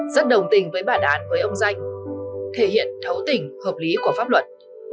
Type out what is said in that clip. rất đồng tình với bà đàn với ông danh thể hiện thấu tình hợp lý của pháp luật